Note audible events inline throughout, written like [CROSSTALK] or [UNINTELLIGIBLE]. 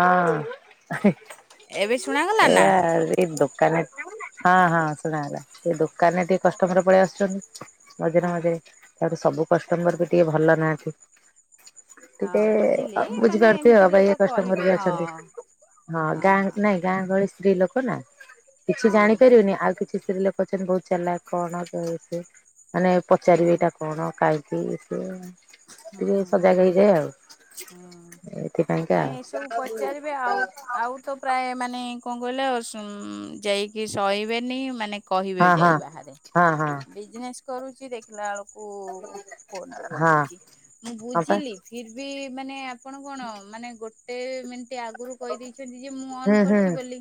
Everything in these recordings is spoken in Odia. ହଁ। ଶୁଣାଗଲା ନା? ଏବେ ଏଇ ଦୋକାନ ହଁ ହଁ ସୁଣାଗଲା। ଏ ଦୋକାନରେ ଟିକେ କଷ୍ଟମର ପଳେଇ ଆସୁଛନ୍ତି ମଝିରେ ମଝିରେ। ହଁ ତାର ସବୁ କଷ୍ଟମର ବି ଟିକେ ଭଲ ନାହାନ୍ତି। ହଁ ଟିକେ ବୁଝିଲି ମାନେ ବୁଝିପାରୁଥିବେ ଏମିତିରେ ଅବାଗିଆ ତ କଷ୍ଟମର କହିବେ ବି ହଁ। ଅଛନ୍ତି ହଁ ହଁ ଗାଁ ନାଇଁ। ଗାଁ ଗହଳି ସ୍ତ୍ରୀ ଲୋକ ନା କିଛି ହୁଁ ଜାଣିପାରିବେନି ଆଉ କି ଚିତ୍ରୀ ଲୋକ ଅଛନ୍ତି ବହୁତ୍ ଚାଲାଖ କଣ ସେ ମାନେ ପଚାରିବେ ହୁଁ ଏଇଟା କଣ କାହିଁ କି ଏତେ ଟିକିଏ ହୁଁ ସଜାଗ ହେଇ ସେ ହୁଁ। ଆଉ ନାଇଁ ଏସବୁ ଏଇଥିପାଇଁକା ପଚାରିବେ ତ ଆଉ। ପ୍ରାୟ ମାନେ କଣ କହିଲ ଯାଇକି ସଇବେନି ମାନେ କହିବେ ହଁ ଯାଇ ବାହାରେ ହଁ ହଁ ହଁ ବିଜନେସ୍ କରୁଛି ଦେଖିଲା ବେଳକୁ ଫୋନ ରେ ହଁ ଗପୁଛି ମୁଁ ହଁ ପା ବୁଝିଲି। ଫିର୍ ବି ମାନେ ଆପଣ କଣ ମାନେ ଗୋଟେ ମି ଟେ ଆଗରୁ କହିଦେଇଚନ୍ତି ଯେ ମୁଁ ଅନ୍ ହୁଁ ହୁଁ କରିଛି ବୋଲି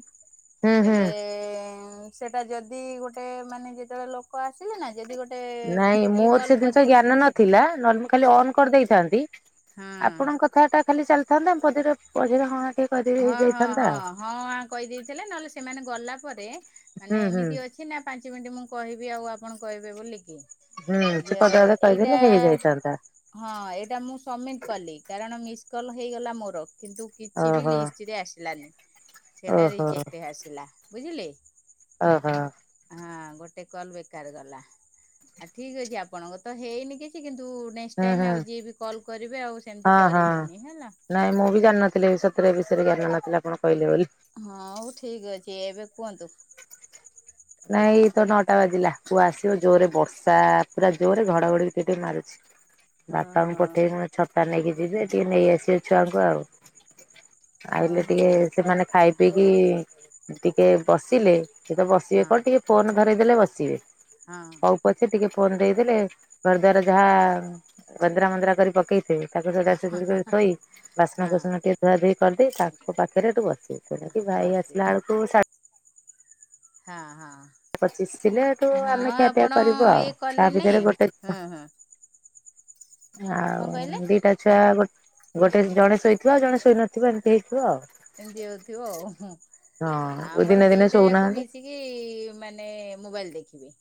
ହୁଁ ହୁଁ ହେଲେ ସେଟା ଯଦି ଗୋଟେ ମାନେ ଯେତେବେଳେ ଲୋକ ଆସିଲେ ନା ଯଦି ଗୋଟ ନାଇଁ ମୋର ସେ ଜିନିଷ ଜ୍ଞାନ ନ ଥିଲା ନହେଲେ ମୁ ଖାଲି ଅନ କରିଦେଇଥାନ୍ତି ହଁ ଆପଣଙ୍କ କଥାଟା ଖାଲି ଚାଲି ଥାନ୍ତା ଆମ ପଚାର କହିଲ ହଁ ଆଁ ହଁ ହଁ ହଁ ହଁ ଆଁ କହିଦେଇଥିଲେ ନହେଲେ ସେମାନେ ଗଲା ପରେ ମାନେ ହୁଁ ହୁଁ ଏମିତି ଅଛି ନା ପାଞ୍ଚ ମିନିଟ୍ ମୁଁ କହିବି ଆଉ ଆପଣ କହିବେ ବୋଲି କି। ହୁଁ ଏ ସେ ପଦେ ଯୋଉ ଅଧେ କହିଦେଲେ ଏଇଟା ହେଇଯାଇଥାନ୍ତା ହଁ ଏଇଟା ମୁଁ ସବମିଟ୍ କଲି କାରଣ ମିସ୍ କଲ ହେଇଗଲା ମୋର କିନ୍ତୁ କିଛି ଓହୋ ଥିରେ ଆସିଲାନି ସେଟା ଓହୋ। ରିଜେକ୍ଟ ଆସିଲା ବୁଝିଲେ। ଓ ହ। ହଁ ଗୋଟେ କଲ ବେକାର ଗଲା। ଆଉ ଠିକ୍ ଅଛି ଆପଣଙ୍କ ତ ହେଇନି କିଛି କିନ୍ତୁ ନେକ୍ସଟ ହୁଁ ଟାଇମ ହୁଁ ଆଉ ଯିଏ ବି କଲ୍ କରିବେ ଆଉ ସେମିତି ହଁ ହଁ କରିବେନି ହେଲା। ନାଇଁ ମୁଁ ବି ଜାଣିନଥିଲି ଏ ସତରେ ଏ ବିଷୟରେ ଜାଣି ନଥିଲି ଆପଣ କହିଲେ ବୋଲି। ହଁ ହଉ ଠିକ୍ ଅଛି ଏବେ କୁହନ୍ତୁ। ଓହୋ ନାଇଁ ତ ନ ଅଟା ବାଜିଲା ପୁଅ ଆସିବ ଜୋରେ ବର୍ଷା ପୁରା ଜୋରେ ଘଡଘଡିି ଟିକେ ମାରୁଛି। ଓହୋ ବାପାଙ୍କୁ ପଠେଇବି ଛତା ନେଇକି ଯିବେ ଟିକେ ନେଇ ଆସିବେ ଛୁଆଙ୍କୁ ଆଉ। ଆଇଲେ ଟିକେ ସେମାନେ ଖାଇ ପିଇକି ଟିକେ ବସିଲେ ସିଏତ ବସ ହଁ ହଉ ଟିକେ ଫୋନ ଧରେଇଦେଲେ ବସିବେ। ହଁ। ହଉ ପଛେ ଟିକେ ଫୋନ୍ ଦେଇଦେଲେ ଘରଦ୍ୱାର ଯାହା ବନ୍ଦରା ମନ୍ଦରା କରି ପକେଇଥିବେ। ତାକୁ ସେଟା ଚୁଗୁଡ଼ କରି ଥୋଇ ବାସନକୁସନ ହଁ ଟିକେ ଧୁଆ ଧୋଇ କରିଦେଇ ତାଙ୍କ ପାଖରେଠୁ ବସିବୁ। ତେଣିକି ଭାଇ ଆସିଲା ବସିବେ ଅଳକୁ ହଁ ପଚିଶ ଥିଲେ ଏଠୁ ହଁ। ହଁ ଆମେ ଖିଆପିଆ ଆପଣ କରିବୁ ଆଉ ଇଏ ତା କଲେ ଭିତରେ ନାଇଁ ଗୋଟେ ହୁଁ ହୁଁ ଆଉ କହିଲେ ଦିଟା ଛୁଆ ଗୋ ଗୋଟେ ଜଣେ ଶୋଇଥିବ ଆଉ ଜଣେ ସୋଇନଥିବ ଏମିତି ହେଇଥିବ ଆଉ। ଏମିତି ହଉଥିବ ହଁ ଦିନେ ଆମର ଦିନେ ଦିଟା ଯାକ ଶୋଉନାହାନ୍ତି। ମିଶିକି କି ମାନେ ମୋବାଇଲି ଦେଖିବେ।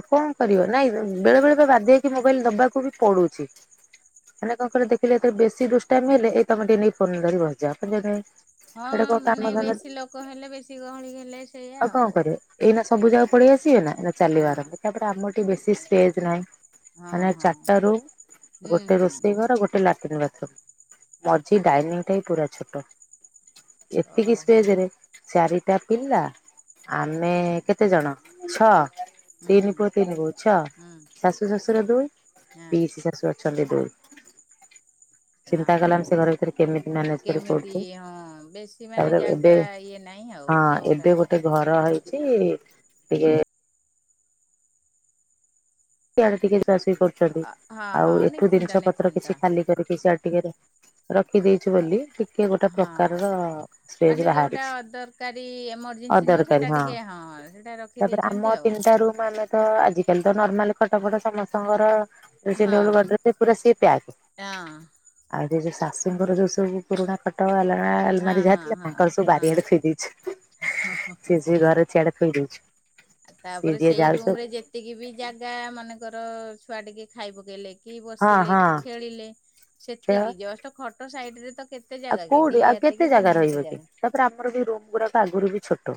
ଆଉ କଣ କରିବ ନାଇଁ ବେଳେ ବେଳେ ବା ବାଧ୍ୟ ହେଇକି ମୋବାଇଲି ଦବାକୁ ବି ପଡୁଛି। ମାନେ କଣକହିଲ ଦେଖିଲ ଏଥିରେ ବେଶି ଦୁଷ୍ଟାମି ହେଲେ ଏଇ ତମ ଟିକେ ନେଇ ଫୋନ ଧରି ନେଇ ବସିଯାଅ ହଁ ଏଇଟା କଣ କାମ ମାନେ ଧନ୍ଦା ବେଶୀ ଲୋକ ହେଲେ ବେଶୀ ଗହଳି ହେଲେ ସେଇଆ କଣ ଆଉ। କରିବେ ଏଇନା ସବୁ ଯାକ ପଳେଇ ଆସିବେନା ଏଇନା ଚାଲିବ ହଁ ଆରମ୍ଭ ତାପରେ ଆମର ଟିକେ ବେଶି ସ୍ପେଜ ନାହିଁ। ହଁ ମାନେ ହଁ ଚାରିଟା ରୁମ୍ ହୁଁ ଗୋଟେ ହୁଁ ରୋଷେଇ ଘର ଗୋଟେ ଲା ଲାଟିନି ବାଥରୁମୁ ମଝି ଡାଇନିଂଟା ହିଁ ପୁରା ଛୋଟ। ଏତିକି ଓହୋ ସ୍ପେଜେ ରେ ଚାରିଟା ପିଲା ଆମେ କେତେ ଜଣ ଛଅ ହୁଁ ତିନି ପୁଅ ତିନି ବୋହୂ ଛଅ ହୁଁ ଶାଶୁ ଶଶୁର ଦୁଇ ହଁ ପିଇସୀ ଶାଶୁ ଅଛନ୍ତି ଦୁଇ। ଚିନ୍ତା ହଁ। କଲନ ସେ ଘର ଭିତରେ କେମିତି ମ୍ୟାନେଜ କରିଚଳୁଚୁ ତାପରେ ଏବେ ତା ଇଏ ନାଇଁ ହଁ ଆଉ ଯୋଉ ଏବେ ଗୋଟେ ଘର ହେଇଚି ଟିକେ ସିଆଡେ ଟିକେ ସୁଆସୁଇ କରୁଛନ୍ତି ହଁ ଆଉ ହଁ ଏଠୁ ନିଶ୍ଚିନ୍ତ ଜିନିଷ ପତ୍ର ନିଶ୍ଚିନ୍ତ କିଛି ଖାଲି କରିକି ସିଆଡେ ଟିକେ ରଖିଦେଇଛୁ ବୋଲିି କି କିଏ ଗୋଟେ ହଁ। ପ୍ରକାରର ଫେଜେ ମାନେ ଯୋଉଟା ବାହାରିଛି ଅଦରକାରୀ ଏମର୍ଜେନ୍ସି ନୁହଁ ଅଦରକାରୀ ସେଇଟା ହଁ। ଟିକେ ହଁ ସେଇଟା ତାପରେ ରଖିଦେଇଛନ୍ତି ଆମ ଆଉ। ତିନିଟା ରୁମୁ ଆମେ ତ ଆଜିକାଲି ତ ନର୍ମାଲ ଖଟ ଫଟ ସମସ୍ତଙ୍କର ରୋଷେଇ ହଁ ଘର ଗଡେଜେ ପୁରା ସିଲି ପ୍ୟାକ ହଁ ଆଉ ଯ ଯୋଉ ଶାଶୁଙ୍କର ଯୋଉ ସବୁ ପୁରୁଣା ଖଟ, ଆଲେଣା, ହଁ ଆଲମାରୀ ହଁ ଯାହା ଥିଲା ହଁ ତାଙ୍କର ସବୁ ହଁ। ବାରିଆଡେ ଥୋଇ ଦେଇଚି। ସିଏ ସିଏ ଘରେ ସିଆଡେ ଥୋଇଦଉଛି। ଆଉ ତାପରେ ସେଇ ରୁମୁ ରେ ଯେତିକି ବି ଜାଗା ମାନେକର ଛୁଆ ଟିକେ ଖାଇ ପକେଇଲେ କି ହଁ ବସିଲେ ହଁ କି ଖେଳିଲେ ସେ ସେତିକି ଆଉ ଜଷ୍ଟ ଖଟ ସାଇଡି ରେ ତ କେ କେତେ ଜାଗା କି କୋଉଠି ଦି ଆଉ ହାତେ କେତେ କି ଜାଗା ତିନି ରହିବ ହାତେ କି ଜାଗା। ତାପରେ ଆମର ବି ରୁମୁ ଗୁଡାକ ଆଗରୁ ବି ଛୋଟ।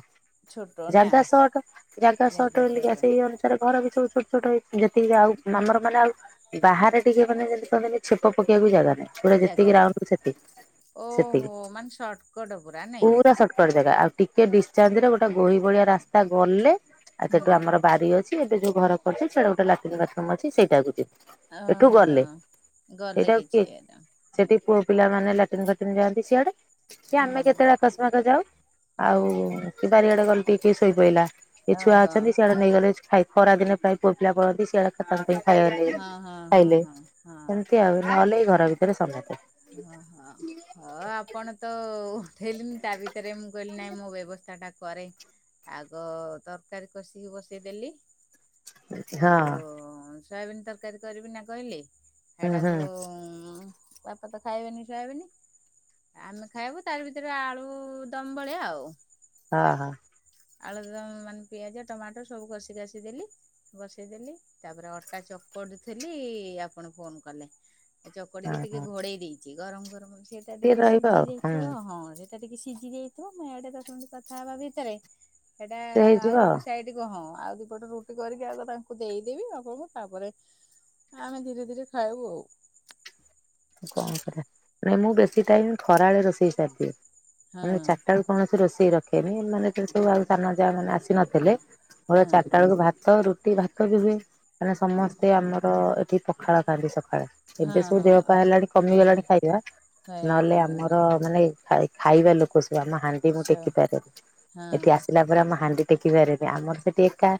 ଛୋଟ ନା ଜାଗା ସଟ ଜାଗା ସଟ ବୋଲି ସେଇ ଅନୁ ତାର ଘର ବି ସବୁ ଛୋଟ ଛୋଟ ହେଇଚି ଯେତିକି ଆଉ ମାମର ମାନେ ଆଉ ବାହାରେ ଟିକେ ମାନେ ଯେମିତି କଲେ ଛେପ ପକେଇବାକୁ ଜାଗାନାହିଁ ପୁରା ଜାଗା ଯେତିକି ନାଇଁ ରାଉଣ୍ଡୁ ସେତିକି। ସେତିକି ଓହୋ ମାନେ ସର୍ଟକଟ ନାଇଁ ପୁରା ସଟକଟ ଜାଗା ଆଉ। ଟିକେ ଡିସଚାର୍ଜ ରେ ଗୋଟେ ଗୋହି ଭଳିଆ ରାସ୍ତା ଗଲେ ଆଉ ହଁ ସେଠୁ ଆମର ବାରି ଅଛି ଏବେ ଯୋଉ ଘର କରିଚି ସେଇଟା ଗୋଟେ ଲାଟିନ୍ ବାଥରୁମୁ ଅଛି ସେଇଟାକୁ ଯି ଅ ହଁ ଗଲେ ସେଇଟା କିଏ କିଛି ଏନ ସେଠି ପୁଅ ପିଲାମାନେ ଲାଟିନ୍ ଫାଟିନ୍ ଯାଆନ୍ତି ସିଆଡେ। କି ଆମେ ହୁଁ କେତେବେଳେ ଆକସ୍ମାକ ଯାଉ ହୁଁ ଆଉ କି ବାରିଆଡେ ଗଲେ ଟିକେ ଶୋଇ ପଇଲା। ଏ ଛୁଆ ଓହୋ ଅଛନ୍ତି ସିଆଡେ ନେଇଗଲେ ଖାଇ ଖରା ଦିନେ ପ୍ରାୟ ପୁଅ ପିଲା ପଳାନ୍ତି ସିଆ ସେ ତାଙ୍କ ପାଇଁ ଖାଇଆ [UNINTELLIGIBLE] ଗଲେ ହଁ ହଁ ହଁ ଖାଇଲେ, ହଁ ହଁ ସେମିତି ଆଉ ନହଲେ ଏଇ ଘର ଭିତରେ ସମତେ ଓ ହଁ ହଁ ଆପଣ ତ ଉଠେଇଲେନି ତା ଭିତ ତରେ ମୁଁ କହିଲି ନାଇଁ ମୁଁ ବ୍ୟବସ୍ଥା ଟା କରେ ଆଗ ତରକାରୀ କଷିକି ବସେଇଦେଲି ହଁ ଏ ଯୋଉ ସୋୟାବିିନ ତରକାରୀ କରିବି ନା କହିଲି ହୁଁ ହୁଁ ସେଟାକୁ ଉଁ କ ତ ଖାଇବେନି ଶୁଆବେନି ଆମେ ଖାଇବୁ ତାର ଭିତରେ ଆଳୁ ଦମ ଭଳିଆ ଆଉ ହଁ ହଁ। ଆଳୁଦମ୍ ମାନେ ପିଆଜ, ଟମାଟୋ ସବୁ କଷି କାଷି ଦେଲି ବସେଇଦେଲି ତାପରେ ଅଟା ଚକଟୁ ଥିଲି ଆପଣ ଫୋନ କଲେ। ଏଇ ଚକଡଟିକି ହଁ ଟିକେ ହଁ ଘୋଡେଇ ଦେଇଚି ଗରମ ଗରମ ସେଇଟା ଟିକେ ରହିବ ସିଝି ଆଉ ହୁଁ ଯାଇଥିବ ହଁ ସେ ଟିକେ ସିଝି ଯାଇଥିବ ମୁଁ ଏଠି ଦଶ ମିନଟ କଥା ହବା ଭିତରେ ସେଟା ସେ ହେଇଯିବ ଆଉ ଗୋଟେ ସାଇଡ [UNINTELLIGIBLE] କ ହଁ ଆଉ ଦିପଟ ରୁଟି କରିକି ଆଗ ତାଙ୍କୁ ଦେଇଦେବି ଆପଣଙ୍କୁ ତାପରେ ଆମେ ଧୀରେ ଧୀରେ ଖାଇବୁ ଆଉ କଣ କରିବା, ନା ମୁଁ ବେଶୀ ଟାଇମ ଖରାବେଳେ ରୋଷେଇ ସାରିଦିଏ ମାନେ ଆଉ ଚାରିଟା ବେଳ କୌଣସି ରୋଷେଇ ରଖେନି ଏ ମାନେ ତ ସବୁ ଆଉ ସାନ ଯାଆ ମାନେ ଆସିନଥିଲେ ମୋର ହଁ ଚାରିଟା ବେଳକୁ ଭାତ ରୁ ଏ ଭାତ ବି ହୁଏ ମାନେ ସମସ୍ତେ ଆମର ଏଠି ପଖାଳ ଖାଆନ୍ତି ସକାଳେ ହଁ ଏବେ ସବୁ ହଁ ଦେହ ପା ହେଲାଣି ହଁ ହଁ କମିଗଲାଣି ଖାଇବା ଖାଇବା ନହେଲେ କମିଗଲାଣି ଆମର ମାନେ ଖାଇ ଖାଇବା ଲୋକସୁ ମା ହାଣ୍ଡି ମୁଁ ସ ଟେକି ପାରେନି, ହଁ ଏଠି ଆସିଲା ପରେ ମୁଁ ହାଣ୍ଡି ଟେକି ପାରେନି ଆମର ସେଠି ଏକା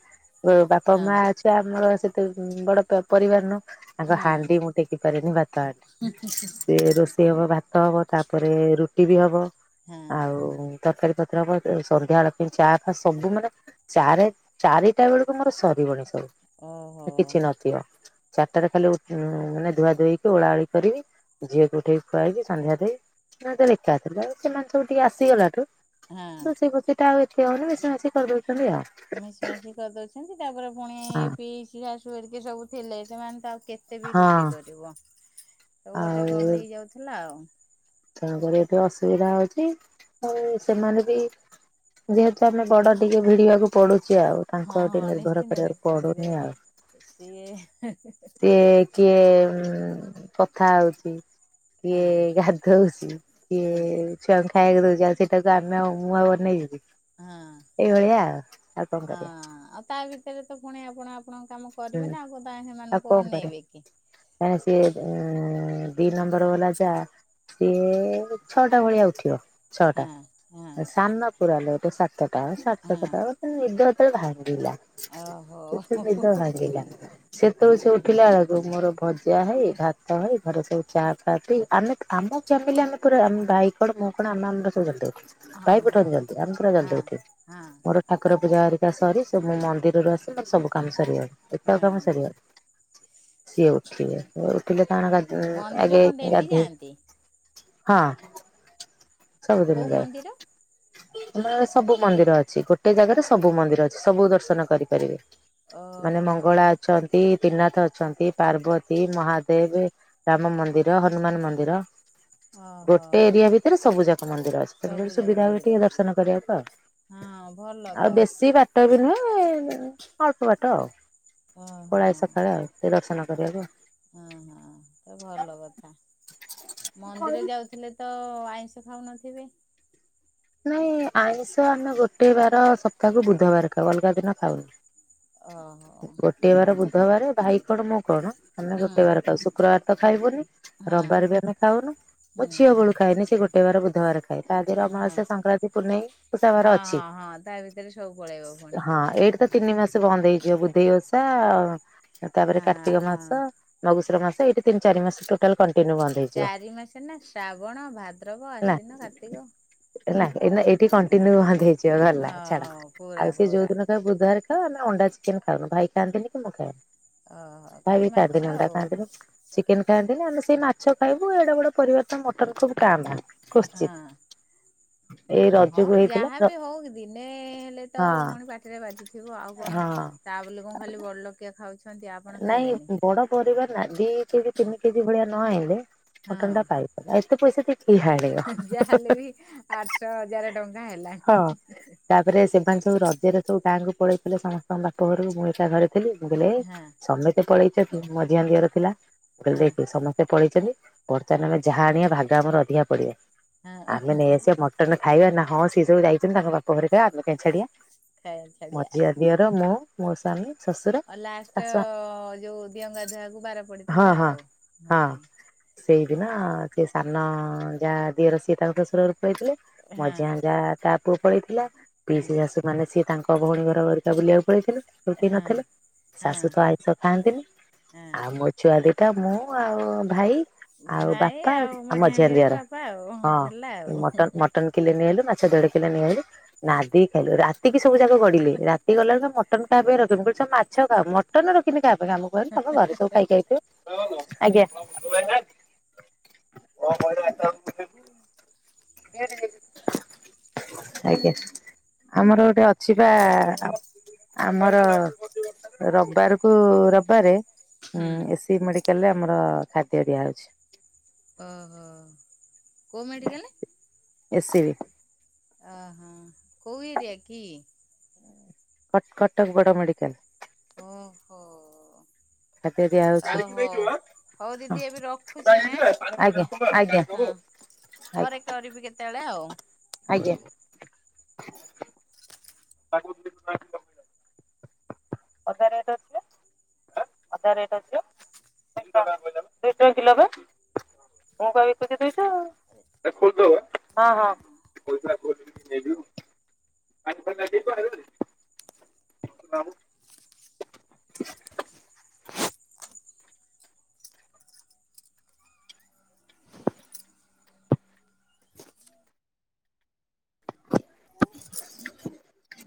ବ ବାପା ହଁ ମା ଛୁଆ ଆମର ସେତେ ବି ବଡ ପ ପରିବାର ନହ ତାଙ୍କ ହଁ ହାଣ୍ଡି ମୁଁ ଟେକି ପାରିନି ଭାତ ହାଣ୍ଡି ସେ ରୋଷେଇ ହବ ଭାତ ହବ ତାପରେ ରୁଟି ବି ହବ ହଁ ଆଉ ତରକାରୀ ପତ୍ର ହବ ତ ସନ୍ଧ୍ୟା ଆଳକୁ ଚା ଫା ସବୁ ମାନେ ଚାରେ ଚାରିଟା ବେଳକୁ ମୋର ସରିବଣି ସବୁ ଓହୋ କିଛି ନଥିବ ଚାରିଟାରେ ଖାଲି ଉ ମାନେ ଧୁଆ ଧୁଇ ଓଳାଉଳି କରିକି ଝିଅକୁ ଉଠେଇି ଖୁଆଇବି ସନ୍ଧ୍ୟା ଦେଇ [UNINTELLIGIBLE] ଲେଖା ଥିଲା ସେମାନେ ସବୁ ଟିକେ ଆସିଗଲାଠୁ ହଁ ରୋଷେଇ [UNINTELLIGIBLE] ଟା ଆଉ ଏତେ ହଉନି ମିଶେଇ ମାସେଇ କରି ଦଉଛନ୍ତି ଆଉ। ମିଶି ମାଶି କରିଦଉଛନ୍ତି ତାପରେ ପୁଣି ଏ ହଁ ପିଇସି ଶାଶୁ ହେରିକେ ସବୁ ଥିଲେ ସେମାନେ ତଉ କେ ତେ ବି ରୁଟି ହଁ କରିବ, ସବୁ ଗୋଟେ ଆଉ ଗହଳି ହେଇ ଯାଉଥିଲା ଆଉ ତେଣୁକରି ଏଠି ଅସୁବିଧା ହଉଛି, ଆଉ ସେମାନେ ବି ଯେହେତୁ ଆମେ ବଡ ଟିକେ ଭିଡିବାକୁ ପଡୁଛି ଆଉ। ତାଙ୍କୁ ଆଉ ଟିକେ ହଁଁ ନିର୍ଭର ନିଶ୍ଚିନ୍ତ କରିବାକୁ ନିଶ୍ଚିନ୍ତ ଯେ ପଡୁନି ଆଉ ସିଏ ହେ ହେ ହେ ସିଏ କିଏ କଥା ହଉଚି କିଏ ହଁ ଗାଧଉଚି ହଁ କିଏ ଛୁଆଙ୍କୁ ଖାଇବାକୁ ଦଉଛି ଆଉ ସେଇଟାକୁ ଆମେ ମୁଁ ନେଇଯିବି ହଁ କରିବା ହଁ ଆଉ ତା ବି ସେଇଏ ତ ପୁଣି ଆପଣ ଆପଣଙ୍କ କାମ କରିବେ ହୁଁ ନା ଆଉ [UNINTELLIGIBLE] ସେମାନଙ୍କୁ ଅନେଇବେ କି ହଁ ସେ ଉଁ ଉଁ ଦିଇ ନମ୍ବର ବାଲା ଟା ସିଏ ଛଅଟା ଭଳିଆ ଆଉଥିବ ହଁ ଛଅଟା ହଁ ସାନ ପୁରାଲ ଟ ସାତଟା ହଁ ସାତଟା ନିଦ ଯେତେଳେ ଭାଙ୍ଗିିଲା ଓହୋ ଓହୋ ହୋ ତ ହାଙ୍ଗିଲା ସେତେବେଳେ ସେ ଉଠିଲା ବେଳକୁ ମୋର ଭଜା ହେଇ ଭାତ ହେଇ ଘରେ ସବୁ ଚା ଫା ପି ଆମେ ଆମ ପ୍ୟାମିଲି ଆମେ ପୁରା ଆମ ଭାଇ କଣ ମୁଁ କଣ ଆମେ ଆମର ସବୁ କରଦବୁ। ଭାଇ ହଁ। ପଠ ଜଲଦି ଆମେ ପୁରା ଜଲଦି ହଁ ଉଠିବୁ। ହଁ ମୋର ଠାକୁରପୁଜା ଆରିକା ସରି ସେ ମୁଁ ମନ୍ଦିରରୁ ଆସି ମୋର ସବୁ କାମ ସ ସରିଗ ଏତକ ହଁ କାମ ସରିଗଲା ସିଏ ଉଠିଲେ ଉଠିଲେ କାଣା ଗା ହୁଁ ମନ୍ଦିର ଆଗେ କଣ ଡେଲି ଗାଧେ ଯାଆନ୍ତି ହଁ କୋଉ ସବୁଦିନ ଯାଏ। ମନ୍ଦିର? ଆମର ସବୁ ମନ୍ଦିର ଅଛି ଗୋଟେ ଜାଗାରେ ସବୁ ମନ୍ଦିର ଅଛି ସବୁ ଦର୍ଶନ କରିପାରିବେ। ମାନେ ଓହୋ ମଙ୍ଗଳା ଅଛନ୍ତି ତ୍ରିନାଥ ଅଛନ୍ତି ପାର୍ବତୀ ମହାଦେବେ। ରାମ ମନ୍ଦିର ହନୁମାନ ମନ୍ଦିର। ଓହୋ। ଗୋଟେ ଏରିଆ ଭିତରେ ସବୁ ଯାକ ମନ୍ଦିର ଅଛି ସବୁ ତେଣୁକରି ଯାକ ସୁବିଧା ହୁଏ ମନ୍ଦିର ଟିକେ ଅଛି ଦର୍ଶନ କରିବାକୁ ଆଉ। ହଁ ଭଲ ତ। ଫଟ ବି ନୁହେଁ ଅଳ୍ପ ବାଟ ଆଉ ଓହୋ। ପଳାଏ ସକାଳେ ଆଉ। ଟେ ଦର୍ଶନ କରିବାକୁ ଆଉ। ହଁ ହଁ ତ ଭଲ କଥା ମନ୍ଦିର ଯାଉଥିଲେ ତ ଆଇଁଷ ଖାଉନଥିବେ? ନାଇଁ ଆଇଁଷ ଆମେ ଗୋଟେ ବାର ସପ୍ତାହକୁ ବୁଧବାର ଖାଉ ଅଲଗା ଦିନ ଓହୋ ଖାଉନା। ଗୋଟେ ବାର ବୁଧବାର ଭାଇ କଣ ମୁଁ କଣ ଆମେ ହୁଁ ଗୋଟେ ବାରେ ଖାଉ ଶୁକ୍ରବାର ତ ଖାଇବୁନି ହଁ ରବିବାର ବି ଆମେ ଖାଉନୁ ମୁଁ ହୁଁ ଝିଅ ବେଳୁ ଖାଇନି ସେ ଗୋଟେ ବାର ବୁଧବାର ଖା ଖାଏ ତା ଦିହରେ ହଁ। ଅମାବାସ୍ୟା ଥାଏ। ସଂକ୍ରାନ୍ତି ପୁନେଇଁ ଓଶା ବାର ହଁ ଅଛି ହଁ ହଁ ତା ଭିତରେ ସବୁ ପଳେଇବ ପୁଣି। ହଁ ଏଇଟି ତ ତିନି ମାସ ବନ୍ଦ ହେଇଯିବ ବୁଧେଇ ଓଷା ତାପରେ ହଁ କାର୍ତ୍ତିକ ମାସ। ହଁ। ମଗୁଶୁର ମାସ ଏଇଠି ତିନ ଚାରିମାସ ଟୋଟାଲ କଣ୍ଟିନ୍ୟୁ ବନ୍ଦ୍। ଚାରି ମାସେ ନା ଶ୍ରାବଣ ଭାଦ୍ରବ ହେଲା ଆସ୍ଵିନ କାର୍ତ୍ତିକ। ହେଲା ଏଇନେ ଏଇଠି କଣ୍ଟିନ୍ୟୁ ହଁ। ବନ୍ଦ ହେଇଯିବ ଗଲା ହଁ ଛାଡ ହଁ ପୁରା ଆଉ ସିଏ ଯୋଉ ପୁରା ଦିନ ବୁଧବାର ଖାଉ ଆମେ ଅଣ୍ଡା ଚିକେନ ଖାଉନୁ ଭାଇ ଖାଆନ୍ତିନି କି ମୁଁ ଓହୋ ଖାଏନି। ଭାଇ ଖାଲି ବି ମାଛ ଚାରଦିନ ଅଣ୍ଡା ଆଉ ଖାନ୍ତିନି। ଚିକେନ ଖାଆନ୍ତିନି ଆମେ ସେଇ ମାଛ ଖାଇବୁ ଏଡେବଡ ପରିବାରଟା ମଟନ ଖୁବ୍ କାଁ ଭାଁ। କୋଶ୍ଚିତ୍। ହଁ। ଏଇ ହଁ ରଜକୁ ହେଇଥିଲା ର ଯାହାବି ହଉ କି ଦିନେ ହେଲେ ତ ହଁ ପୁଣି ପାଟିରେ ବାଜୁଥିବ ଆଉ କଣ ହଁ ତା ବୋଲି କଣ ଖାଲି ବଡଲୋକିଆ ଖାଉଛି ନାଇଁ ବଡ ପରିବାର ନା ଦି କେଜି ତିନି କେଜି ଭଳିଆ ନ ଆଇଲେ ମଟନ ଟା ପାଇ ଏତେ ପଇସା ଦେଇକୀ କିଏ ଖା ଯାହେଲେ ବି ଆଠ ହଜାରେ ଟଙ୍କା ହେଲାଣି। ହଁ। ତାପରେ ସେମାନେ ସବୁ ରଜରେ ସବୁ ଗାଁକୁ ପଳେଇଥିଲେ ସମସ୍ତଙ୍କ ବାପ ଘରକୁ ମୁଁ ଏକା ଘରେ ଥିଲି ମୁଁ କହିଲି ଏଇ ହଁ ସମସ୍ତେ ପଳେଇଛନ୍ତି ମଝିଆ ଦିଅର ଥିଲା ମୁଁ କହିଲି ହଁ ଦେଖେ ସମ ପଳେଇଛନ୍ତି ବର୍ତ୍ତମାନ ଯାହା ଆଣିବା ଭାଗ ଆମର ଅଧିକା ପଢିବ ଆମେ ହଁ ନେଇ ଆସିବା ମ ମଟନ ଖାଇବା ନା ହଁ ସିଏ ସବୁ ଯାଇଛନ୍ତି ତାଙ୍କ ବାପ ଘରେ ଖାଇବେ ଆମେ କାଇଁ ଛାଡିବା। ଖାଇବା ଛାଡିଆ। ମଝିଆ ଦିଅର ମୁଁ ମୋ ସ୍ୱାମୀ ଶଶୁ ଆଉ ଲାଷ୍ଟ ଯୋଉ ଦିଅଙ୍ଗା ଧୁଆକୁ ବାର ହଁ ପଡିଥିଲା ହଁ ଆଉ ହଁ ହଁ। ସେଇଦିନ ସେ ସାନ ଯାଆ ଦିଅର ସିଏ ତାଙ୍କ ଶଶୁର ଘର ପଳେଇଥିଲେ ହଁ ମଝିଆ ଯାଆ ତା ପୁଅ ପଳେଇଥିଲା ହଁ ପିଇସି ଶାଶୁ ମାନେ ସିଏ ତାଙ୍କ ଭଉଣୀ ଘର ହେରିକା ବୁଲିବାକୁ ପଳେଇଥିଲେ ସେ କେହି ହଁ ନଥିଲେ ଶାଶୁ ତ ଆଁଇ ଆଁଇଶ ଖାଆନ୍ତିନି ହଁ। ଆଉ ମୋ ଛୁଆ ଦିଟା ମୁଁ ଆଉ ଭାଇ। ଆଉ ଭାଇ ବାପା ଆଉ ମଝିଆ ମାଝିଆଁ ଦିଅର ବାପା ଆଉ ହଁ ହେଲା ଆଉ। ମଟନ୍ ମଟ ମଟନ କିଲେ ନେଇଆଇଲୁ ମାଛ ଦେଢ କିଲେ ନେଇ ଆଇଲୁ ନାଦିକି ଖାଇଲୁ ରାତିକି ସବୁ ଯାକ ଗଡିଲେ ରାତି ଗଡିଲାବେଳେ ମ ମଟନ କାହା ପାଇଁ ରଖିନି ମୁଁ କହିଲି ମାଛ ଖାଅ ମଟନ ରଖିନି କାହା ପାଇଁ ୟା ମୁଁ କହିଲି ତମେ ଘରେ ସବୁ ଖାଇକି ଆଇଥିବ। ଆଜ୍ଞା। [UNINTELLIGIBLE] [INAUDIBLE] ଆଜ୍ଞ। ଆମର ଗୋଟେ ଅଛି ପା ଆମର [INAUDIBLE] ରବିବାରକୁ ରବିବାରେ ହୁଁ ଏସି ବି ମେଡିକାଲ ରେ ଆମର ଖାଦ୍ୟ ଦିଆହଉଛି। ଓ ହୋ କୋଉ ମେଡିକାଲ ଏ- ସି -ବି। ଆ ହଁ କଉ ଏରିଆ କି? କଟ କଟକ ବଡ ମେଡିକାଲ। ଓହୋ। ଖାଦ୍ୟ ଦିଆ ହଉଛି। [INAUDIBLE] ଓହୋ। ହଉ ଦିଦି ଏବେ [UNINTELLIGIBLE] ହଁ ରଖୁଛି ନା ଆଜ୍ଞା ଆଜ୍ଞା ହଁ ଆଜ୍ଞା। ପରେ କରିବି କେତେବେଳେ ଆଉ। ଆଜ୍ଞା। ତାକୁ [UNINTELLIGIBLE] ଅଦା ରେଟ ଅଛିପା ଆ ଅଦା ରେଟ ଅଛିପା। ଦୁଇ ସହ ଟଙ୍କା କିଲୋପା। [UNINTELLIGIBLE] ମୁଁ ପା ବିକୁଛି ଦୁଇସହ ଦେଖଉଥିଲ ପା ହଁ ହଁ। ପୁରା ଗୋଲ୍ ନେଭ୍ୟୁ ପୁରା [UNINTELLIGIBLE] [UNINTELLIGIBLE] [UNINTELLIGIBLE]